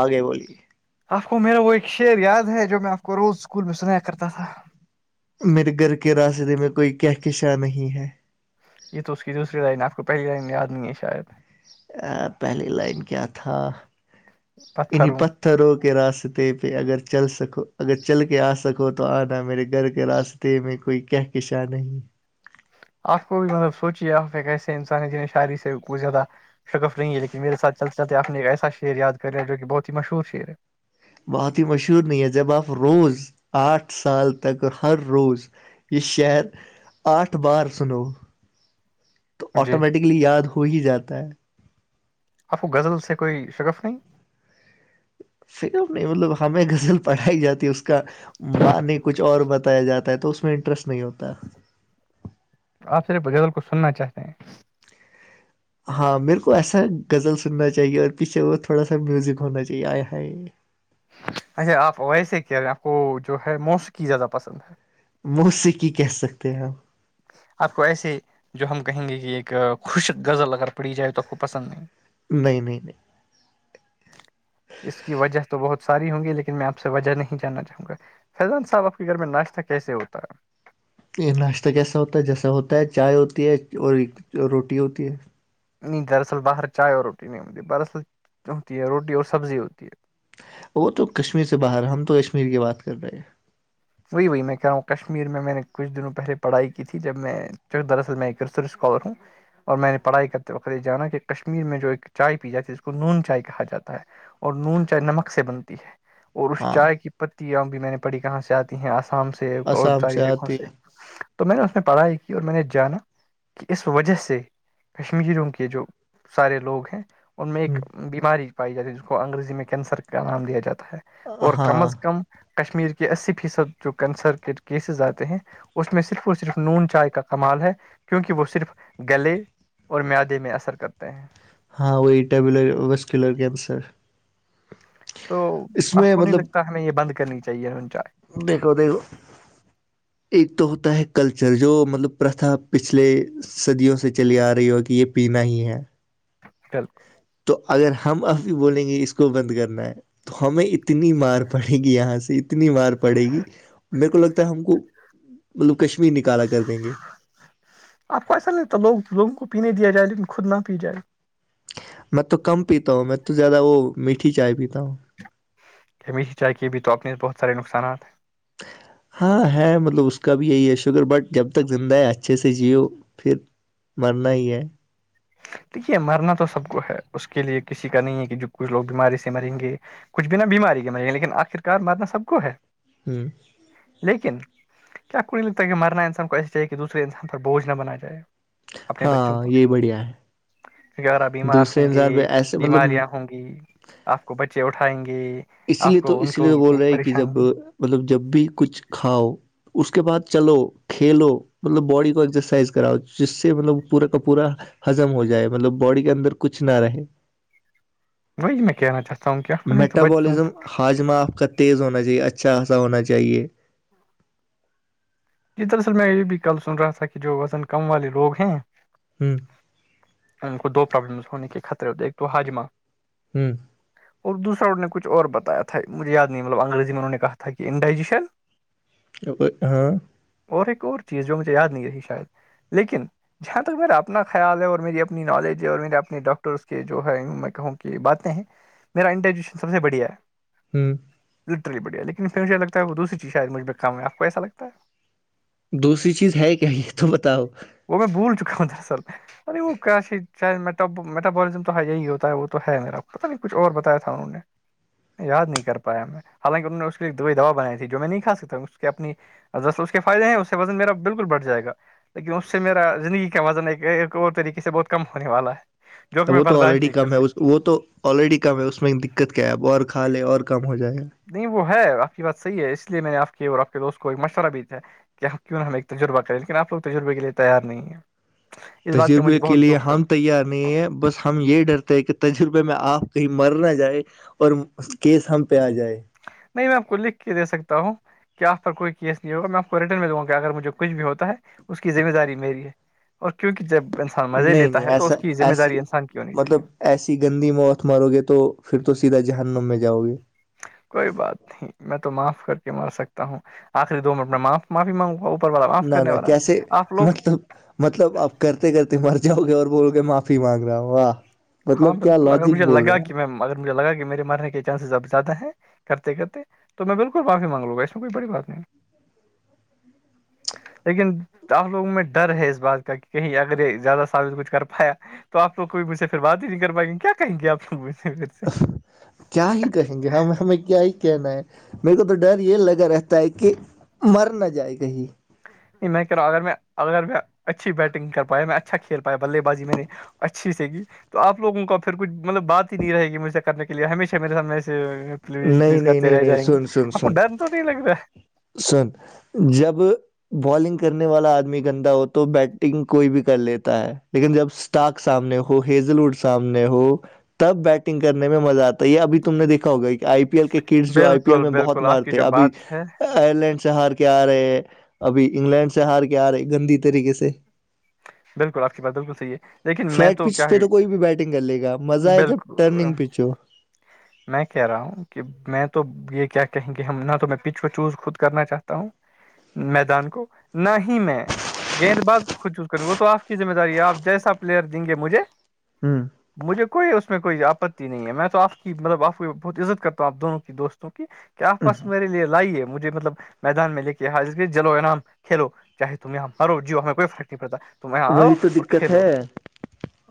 آگے بولیے آپ کو میرا وہ ایک شعر یاد ہے جو میں آپ کو روز اسکول میں سنایا کرتا تھا میرے گھر کے راستے میں کوئی کہکشا نہیں ہے یہ تو اس کی دوسری لائن ہے آپ کو پہلی لائن یاد نہیں ہے شاید پہلی لائن کیا تھا ان پتھر پت ہوں پتھروں کے راستے پہ اگر چل سکو اگر چل کے آ سکو تو آنا میرے گھر کے راستے تو میں کوئی کہہ کےشا نہیں آپ کو بھی مطلب سوچیے آپ کیسے انسان ہے جنہیں شاعری سے کو زیادہ شکف نہیںی ہے لیکن میرے ساتھ چلتے چلتے آ نے ایک ایسا شعر یاد کریا ہے جو کہ بہت ہی مشہور شعر ہے بہت ہی مشہور نہیں ہے جب آپ روز آٹھ سال تک ہر روز یہ شہر آٹھ بار سن [inaudible] تو آٹومیٹکلی یاد ہو ہی جاتا ہے آفو غزل سے کوئی شگف نہیں فرم نہیں مطلب ہمیں غزل پڑھائی جاتی ہے اس کا م نہیں کچھ اور بتایا جاتا ہے تو اس میں انٹرسٹ نہیں ہوتا ہے آپ صرف غزل کو سننا چاہتے ہیں ہاں میرے کو ایسا زل سننا چاہیے اور پیچھے اور تھوڑا سا میوزک ہونا چاہیے آائے ہائے اچا آپ ویسے کہہ رہے ہیں آپ کو جو ہے موسیقی زیادہ پسند ہے وہ سے کی کہہ سکتے ہیں ہم آپ کو ایسے جو ہم کہیں گے کہ ایک خوشک غزل اگر پڑی جائے تو آ کو پسند نہیں نہیں نہیں نہیں اس کی وجہ تو بہت ساری ہوںگی لیکن میں آپ سے وجہ نہیں جاننا چاہوں گا فیضان صاحب آپ کے گھر میں ناشتہ کیسے ہوتا ہے یہ ناشتہ کیسا ہوتا ہے جیسا ہوتا ہے چائے ہوتی ہے اور روٹی ہوتی ہے نہیں دراصل باہر چائے اور روٹی نہیں ہوتی دراصل ہوتی ہے روٹی اور سبزی ہوتی ہے وہ تو کشمیر سے باہر ہم تو کشمیر کی بات کر رہے ہیں وہی وہی میں کہہ رہا ہوں کشمیر میں نے کچھ دنوں پہلے پڑھائی کی تھی جب میں دراصل میں کرسش کور ہوں اور میں نے پڑھائی کرتے وقت یہ جانا کہ کشمیر میں جو ایک چائے پی جاتی ہے ج کو نون چائے کہا جاتا ہے اور نون چاہے نمک سے بنتی ہے اور اس ہاں چائے کی پتی بھی میں نے پڑی کہاں سے آتی ہیں آسام سے اور آسام ساری جگوں آتی سے ہے تو میں نے اس میں پڑھائی کی اور میں نے جانا کہ اس وجہ سے کشمیروں کے جو سارے لوگ ہیں ان میں ایک ہوں بیماری پائی جاتی ہے جس کو انگریزی میں کینسر کا نام دیا جاتا ہے اور کم ہاں از کم کشمیر کے اسی فیصد جو کنسر کے کیسز آتے ہیں اس میں صرف اور صرف نون چائے کا کمال ہے کیونکہ وہ صرف گلے اور میادے میں اثر کرتے ہیں ہاں وہ وسرسر [unintelligible] تو آپ میں کو نہیں لگتا ہمیں یہ بند کرنی چاہیے نون چائے ب ہو د وہ [unintelligible] ایک تو ہوتا ہے کلچر جو مطلب پرتھا پچھلے صدیوں سے چلی آ رہی ہو کہ یہ پینا ہی ہے چل [unintelligible] تو اگر ہم اب بھی بولیں گے اس کو بند کرنا ہے تو ہمیں اتنی مار پڑے گی یہاں سے اتنی مار پڑے گی میرے کو لگتا ہے ہم کو مطلب کشمیر نکالا کر دیں گے آپ کو ایسا نہیںتا لوگ لوگوں کو پینے دیا جائے لیکن خود نہ پی جائے میں تو کم پیتا ہوں میں تو زیادہ وہ میٹھی چائے پیتا ہوں ہمیشہ چائے کےے بھی تو اپنےس بہت سارے نقصات ہاں ہے مطلب اس کا بھی یہی ہے شکر بٹ جب تک زندہ ہے اچھے سے جیو پھر مرنا ہی ہے تویک یہ مرنا تو سب کو ہے اس کے لیے کسی کا نہیں ہے کہ جو کچھ لوگ بیماری سے مریں گے کچھ بنا بیماری کے مر گ لیکن آخرکار مارنا سب کو ہے ہوں [unintelligible] لیکن کیا کڑی لگتا ہے مرنا انسان کو ایسی چاہیے کہ دوسرے انسان پر بوجھ نہ بنایا جائے ہاں یہی بڑھیا ہے غیرہ بیمار دوسرے ہوں گے انسان پہ ایسے مطلب بیماریاں ہوں گی آپ کو بچے اٹھائیں گے اسی آپ لیے تو کو ان اس کو لیے بول رہے ہے کہ پریشان جب مطلب جب بھی کچھ کھاؤ اس کے بعد چلو کھیلو مطلب باڈی کو ایکسرسائز کراؤ جس سے مطلب پورا کا پورا ہزم ہو جائے مطلب باڈی کے اندر کچھ نہ رہے وہ میں کہنا چاہتا ہوں میٹابولزم ہاجمہ آپ کا تیز ہونا چاہیے اچھا خاصا ہونا چاہیے جی دراصل میں یہ بھی کل سن رہا تھا کہ جو وزن کم والے لوگ ہیں ہوں ان کو دو پرابلمز ہونے کے خطرے ہوتے ایک تو حاجمہ ہوں [unintelligible] اور دوسرا انہوں نے کچھ اور بتایا تھا مجھے یاد نہیں مطلب انگریزی میں انہوں نے کہا تھا کہ انڈائجیشن ا ہاں [unintelligible] [inaudible] اور ایک اور چیز جو مجھے یاد نہیں رہی شاید لیکن جہاں تک میرا اپنا خیال ہے اور میری اپنی نالج ہے اور میرے اپنے ڈاکٹرس کے جو ہے میں کہوں کہ باتیں ہیں میرا انٹینشن سب سے بڑی ہے ہوں [unintelligible] [inaudible] لٹرلی بڑھیا لیکن پھر مجھے لگتا ہے وہ دوسری چیز شاید مجھ پہ کام ہے آپ کو ایسا لگتا ہے دوسری چیز ہے کیا یہ تو بتاؤ وہ میں بول چکا ہوں دراصل میں ارے وہ کیسی چ میٹولزم تو یہی ہوتا ہے وہ تو ہے میرا پتا نہیں کچھ اور بتایا تھا انہوں نے یاد نہیں کر پایا ہم حالانکہ انہوں نے کے لی ایک دوئی دوا بنائی تھی جو میں نہیں کھ سکتاوں اس کی اپنی اس اس کے فائدے ہیں اس سے وزن میرا بالکل بڑھ جائے گا لیکن اس سے میرا زندگی کا وزن ایک ایک اور طریقے سے بہت کم ہونے والا ہے جو کہ میں وہ تو برداشت آلریڈی نہیں کر کم ہے سکتا وہ تو آلریڈی کم ہے اسس میں دقت کیا ہے اب اور کھا لے اور کم ہو جائے گا نہیں وہ ہے آپ کی بات صحی ہے اس لیے میں نے آپ کے اور آپ کے دوست کو ایک مشورہ بھی تھا ہے کیا کیوں ہمیں تجربہ کریں لیکن آپ کو تجربے کے لیے تیار نہیں ہے اس بات کا تجربے مجھے کے بہت لیے دکھ ہم تیار نہیں ہے بس ہم یہ ڈرتے ہیں کہ تجربے میں آپ کہیں مر نہ جائیں اور کیس ہم پہ آ جائے نہیں میں آپ کو لکھ کے دے سکتا ہوں کیا آپ پر کوئی کیس نہیں ہوگا میں آپ کو ریٹرن میں دوں گ کہ اگر مجھے کچھ بھی ہوتا ہے اس کی ذمہ داری میری ہے اور کیونکہ جب انسان مزے نہیں لیتا ہے نہیں تو ایسا اس کی ذمہ داری ایسی انسان کی ہونی چاہیے مطلب ایسی گندی موت مارو گے تو پھر تو سیدھا جہنم میں جاؤ گے کوئی بات نہیں میں تو معاف کر کے مار سکتا ہوں آخری دو منٹ میں معاف معافی مانگوں گا اوپر والا معاف نہ کرنے نہ والا کیسے ہے آپ لوگ مطلب مطلب آپ کرتے کرتے مر جاؤ گے اور بول گے معافی مانگ رہا ہوں واہ مطلب کیا لاجک بول رہے ہیں آپ مگر مجھے لگا کہ میرے مرنے کے چانسز اب زیادہ ہیں کرتے کرتے تو میں بالکل معافی مانگ لوں گا اس میں کوئی بڑی بات نہیں لیکن آ لوگوں میں ڈر ہے اس بات کا کہ کہیں اگر یہ زیادہ ثابت کچھ کر پایا تو آپوگ کوئی مجھ سے پھر بات ہی نہیں کر پائیں گے کیا کہیں گے آپ لگ مجھ سے پھر سے کیا ہی کہیں گے ہمیں ہمیں کیا ہی کہنا ہے میرے کو تو ڈر یہ لگا رہتا ہے کہ مر نہ جائے کہیں نہیں میں کہ رہا ہوں اگر میں اگر میں اچھی بیٹنگ کر پایا میں اچھا کھیل پایا بلے بازی میں نے اچھی سے گی تو آپ لوگوں کا پھر کچھ مطلب بات ہی نہیں رہے گی مجھ سے کرنے کے لیے ہمیشہ میرے سامنے سے پلیز نہیں پلیز نہیں کرتے نہیں رہ نہیں جائیں گے سن سن آپ سن کو ڈر تو نہیں لگ رہا ہے سن جب بالنگ کرنے والا آدمی گندا ہو تو بیٹنگ کوئی بھی کر لیتا ہے لیکن جب ٹاک سامنے ہو ہیزل ووڈ سامنے ہو تب بیٹنگ کرنے میں مزہ آتا یہ اب تم نے دیکا ہوگا کہ آئی پی ایل کے ہے کڈس جو آئی پی ایل بالکل میں بہت بالکل آپ کی مارتےے جو ابھی بات ہے آئرلینڈ سے ہار کے آ رہے ابھی انگلینڈ سے ہار کے آ رہے گندی طریقے سے عوو [unintelligible] [inaudible] بالکل آپ کی بات بالکل صحیح ہے لیکن میں فلیٹ تو پچ کیا پہ کوئی بھی بیٹنگ کر لے گا مزہ ہے ہے جب بالکل ٹرننگ پچ ہو میں کہہ رہا ہوں کہ میں تو یہ کیا کہیں گے ہم نہ تو میں پچو چوز خود کرنا چاہتا ہوں میدان کو نہ ہی میں گیند باز کو خود وہ تو آپ کی مہ داری ہے آپ جیسا پلیئ د گ مجھے ہوں مجھے کوئی اس میں کوئی آپتی نہیں ہے میں تو آپ کی مطلب آپ کو بہت عزت کرتا ہوںپ دونوں کی دوست کی کیا آپ پاس میرے لیے لائیے مجھے مطلب میدان میں لے کے یہاں جلو انام کھیلو چاہے تم یہاں مارو جیو ہمیں کوئی فرق نہیں پڑتا تم یہاں آؤ وہی تو اور دقت کھیلو ہے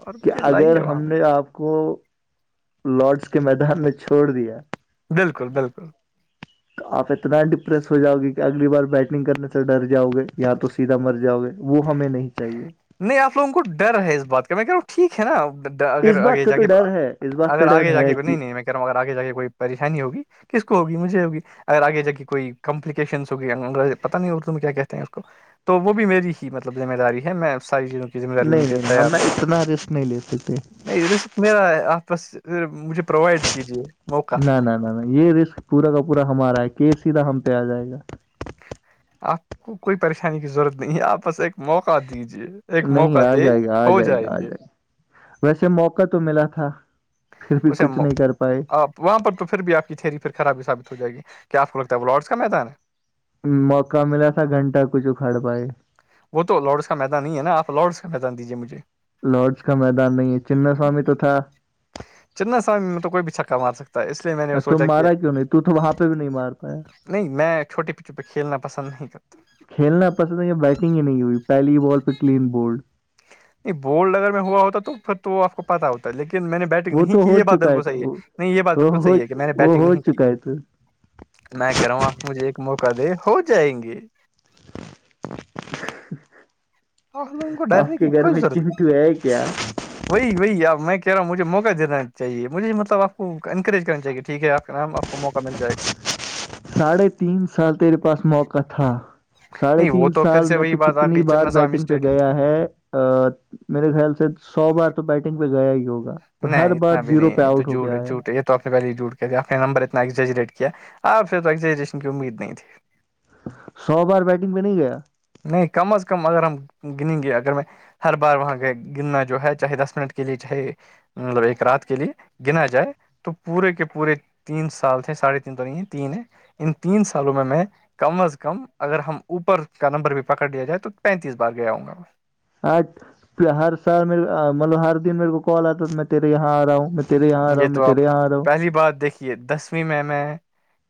اور کہ مجھے اگر لائیے وہاں ہم نے آپ کو لارڈس کے میدان میں چھوڑ دیا بالکل بالکل تو آپ اتنا ڈپریس ہو جاؤ گے کہ اگلی بار بیٹنگ کرنے سے ڈر جاؤ گے یا تو سیدھا مر جاؤ گے وہ ہمیں نہیں چاہیے نہیں آپ لوگوں کو ڈر ہے اس بات کا میں کر ٹھیک ہے نا اگر اس بات آگے کا جا تو کے ڈر ہے اس بات کا اگر ڈر آگے جا کے ہے کہ نہیں نہیں میں ہوں اگر آے جا کے کوئی پریشانی ہوگی کس کو ہوگی مجھے ہوگی اگر آگے جا کے کوئی کمپلیکیشنس ہو گیا پتہ نہیں اردو میں کیا کہتے ہیں اس کو تو وہ بھی میری ہی مطلب ذمہ داری ہے میں ساری چیزوں کی ذمہ داری لینے نہیں کے نہیں ہم تیار نے ہوں اتنا رسک نہیں لیتے تھے نہیں میرا آپس مجھے پرووائڈ کیجیے نہ نہ نہ یہ رسک پورا کا پورا ہمارا ہے کی سیدھا ہم پہ آ جائے گا آپ کو کوئی پریشانی کی ضرورت نہیں ہے آپ بس ایک موقع دیجیے ایک نہیں موقع آ دے جائے گا آ ہو جائے گا جائیں آ گے جائے گا ویسے موقع تو ملا تھا پھر بھی اسے کچھ نہیں کر پائے آپ تو وہاں پر تو پھر آپ کی تھیری پھر خرابی ثابت ہو جائےی کیا آپ کو لگتا ہے وہ لارڈس کا میدان ہے موقع ملا تھا گھنٹہ کچھ اکھاڑ پائے وہ تو لارڈس کا میدان ہی ہے نا آپ لارڈس کا میدان دیجیے مجھے لارڈس کا میدان نہیں ہے چنا سوامی تو تھا چنا سا ملب کوئی بھی چھکا مار سکتا تو اس لیے میں نے ا تم سوچا کہ مارا کیوں نہیں تو وہاں پہ بھی نہیں مار پایا نہیں میں چھوٹے پچوں پہ کھیلنا پسند نہیں کرتا کھیلنا پسند ہے یا بیٹنگ ہی نہیں ہوئی پہلی ہی بال پہ کلین بالڈ نہیں بولڈ اگر میں ہوا ہوتا توھر تو آ کو پتا ہوتا ہے لیکن میں نے بیٹھ بیٹگ وہ نہیں تو کی ہو یہ بات چکا بالکل تو صحی ہے نہیں یہ بات وہ بالکل ہو صحی ہے کہ میں نے وہ بیٹنگ ہو نہیں کی چکا ہے تو میں کہہ رہا ہوں آپ مجھے ایک موقع دے ہو جائیں گے ہاں ہم لوگوں کو آپ ڈرنے کے کی گھر کوئی میں ضرورت ہے چنٹو کیا وہی وہی آب میں کہہ رہا ہوں مجھے موقع دین چاہیے مجھے مطلب آپ کو انکریج کرنا چاہیے ٹھیک آپ کا نام وہ موقع مل جائے گا ساڑھے تین سال تیرے پاس موقع تھا ساڑھے نہیں وہ تین تو پھر سال سے میں وہی تو بات آ کتنی گئی بار چندنا سوامی بیٹنگ پہ اسٹیڈیم کی گیا ہے ا میرے خیال سے سو بار تو بیٹنگ پہ گیا ہی ہوگا ہر نہیں بار اتنا بھی زیرو پہ نہیں تو آؤٹ ہو کے جھوٹ آیا جھوٹ تو آپنے پہلے جوٹ کے تھےپ نے نمبر اتنازجریٹ کیا آپ سے توزجرین کی امید نہیں تھی سو بار بیٹنگ پہ نہیں گیا نہیں کم از کم اگر ہم گنیں گے اگر میں ہر بار وہاں گرنا جو ہے چاہے دس منٹ کے لیے چاہے مطلب ایک رات کے لیے گنا جائے تو پورے کے پورے تین سال تھے ساڑھے تین تو نہیں ہے تین ہے ان تین سالوں میں میں کم از کم اگر ہم اوپر کا نمبر بھی پکڑ لیا جائے تو پینتیس بار گیا ہ گا آج ہر سال میرے مطلب ہر دن میرے کو کال آتا میں تیرے یہاں آ رہا ہوں تیرے یہاں رہو یہ میں تو تیرے آپ یہاں رہو پہلی بات دھی کہ دسویں میں میں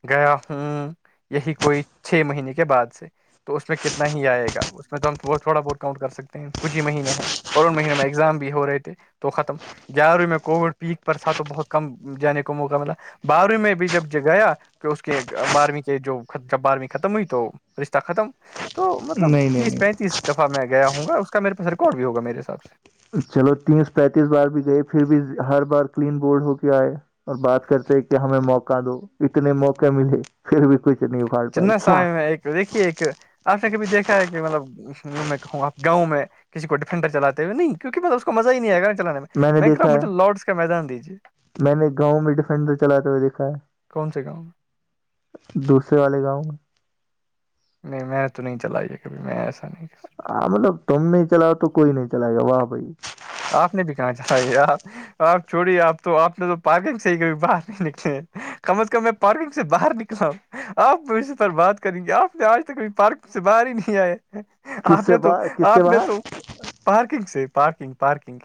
گیا ہوں یہی کوئی چھ مہینے کے بعد سے تو اس میں کتنا ہی آئے گا اس میں تو ہم تھوڑا بہت کاؤنٹ کر سکتے ہیں کچھ ہی مہینے ہیں اور ان مہینوں میں ایگزام بھی ہو رہے تھے تو ختم گیارہویں میں کووڈ پیک پر تھاا تو بہت کم جانے کو موقع ملا بارو میں بھی جب گیا کہ اس کے بارہویں کے جو جب بارہویں ختم ہوئی تو رشتہ ختم تو مطلب نہیں نہیں تیس نہیں پینتیس دفعہ میں گیا ہوں گا اس کا میرے پاس ریکارڈ بھی ہوگا میرے حساب سے چلو تیس پینتیس بار بھی گئے پھر بھی ہر بار کلین بورڈ ہو کے آئے اور بات کرتے کہ ہمیں موقع دو اتنے موقع ملے پھر بھی کچھ نہیں ہو چنا سمے میں ایک دیکھیے ایک آپ نے کبھی دیکھا ہے کہ مطلب یوں میں کہوں آپ گاؤں میں کسی کو ڈیفینڈر چلاتے ہوئے نہیں کیونکہ اس کو مزہ ہی نہیں آئے گا چلانے میں نے میں کر دیکھا رہا ہ ہے مجھے لارڈس کا میدان دیجے میں نے گاؤں میں ڈیفینڈر چلاتے ہوئے دیکھا ہے کون سے گاؤں میں دوسرے والے گاؤں میں نہیں میں نے تو نہیں چلائی ہے کبھی میں ایسا نہیں کہ س ہاں مطلب تم نہیں چلاؤ تو کوئی نہیں چلائے گا واہ بھائی آپ نے بھی کہاں چلا یہ آپ آپ چھوڑی آپ تو آپ نے تو پارکنگ صحیح کبھی باہر نہیں نکلے کم از کم میں پارکنگ سے باہر نکلا ہ آپ اس پر بات کریں گے آپ نے آج تک پارک سے باہر ہی نہیں آئے کس آپ سے نے تو کس سے آپ نے باہر تو پارکنگ سےارکگارکنگ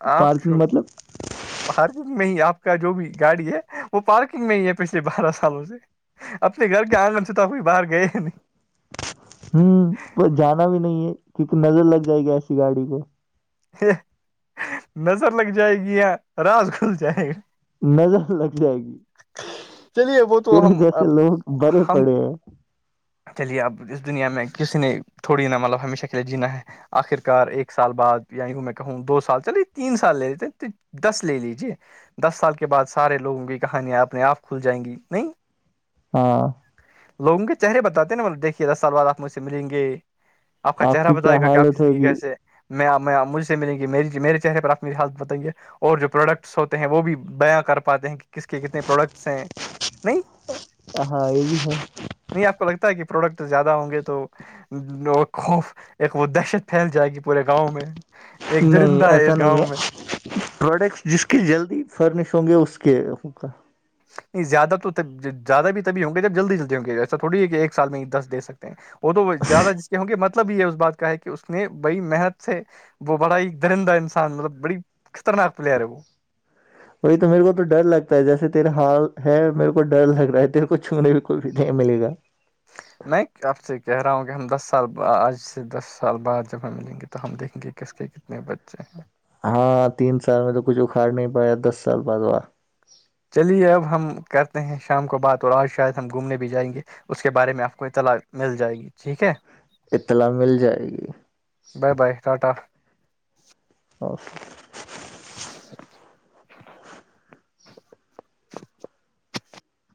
آپ پارکنگ مطلب پارکنگ میں ہی آپ کا جو بھی گاڑی ہے وہ پارکنگ میں ہی ہے پچھلے بارہ سالوں سے اپنے گھر کے آنگن سے توبئی باہر گئے ہی نہیں ہوں جانا بھی نہیں ہے کیونکہ نظر لگ جائے گی ایسی گاڑی کو نظر لگ جائے گی یا راز کھل جائے گا نظر لگ جائے گی چلیے وہ تو پھرے ہم اب جیسے لوگ برے ہم پڑے ہیں چلیے اب اس دنیا میں کسی نے تھوڑی نا مطلب ہمیشہ کے لیے جینا ہے آخر کار ایک سال بعد ی ہوں میں کہوں دو سال چلے تین سال لے لیتے دس لے لیجیے دس سال کے بعد سارے لوگوں کی کہانیاں اپنے آپ کھل جائیں گی نہیں ہاں لوگوں کے چہرے بتے ہیں ن مطل دیکھیے دس سال ب آپ مجھ سے ملیں گے آپ کا چہ کی کیا بتائے گا کہ آپ کی حالت زندگی ہوگی کیسے میں آپ میں مھ سے مل گی میری میرے چہرے پر آپ می ہیلت بتیں گے اور جو پروڈکٹس ہوتے ہیں وہ بھی بیاں کر پاتے ہیں کہ کس کے کتنے پروڈکٹس ہیں نہیں ہاں یہ بھی ہے نہیں آپ کو لگتا ہے کہ پروڈکٹ زیادہ ہوں گے تو خوف ایک وہ دہشت پھیل جائے گی پورے گاؤں میں ایک نہیں درندہ ایسا اس نہیں ہے گاؤں میں پروڈکٹس جس کی جلدی فرنش ہوں گے اس کے نہیں زیادہ تو جیاد بھی تھی ہوں گے جب جلدی جلدی ہوں گے ایسا تھوڑی ہے کہ ایک سال میں ہی دس دس سکتے ہیں وہ تو زیادہ جس کے ہوں گے مت مطلب یہ ہے اس بات کا ہے کہ اس نے بڑی محنت سے وہ بڑا ہی درندہ انسان مطلب بڑی خطرناک پلیئر ہے وہ وہی تو میرے کو تو ڈر لگتا ہے جیسے تیرےال ہے میرے کو ڈر لگ رہا ہے تیرے کو چھونے بھی کوئی بھی نہیں ملے گا میں آپ سے کہہ رہا ہوں کہ ہم دس سال آج سے دس سال بعد جب ہم ملیں گے تو ہم دیکھیں گے کس کے کتنے بچے ہیں ہاں تین سال میں تو کچھ اکھاڑ نہیں پایا دس سال بعد وہ چلیے اب ہم کرتے ہیں شام کو بات اور آج شاید ہم گھومنے بھی جائیں گے اس کے بارے میں آپ کو اطلاع مل جائے گی ٹھیک ہے اطلاع مل جائے گی بائے بائے ٹاٹا او [inaudible] [unintelligible] [inaudible] [unintelligible]